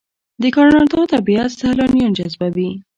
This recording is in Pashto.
د کاناډا طبیعت سیلانیان جذبوي.